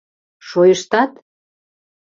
— Шойыштат?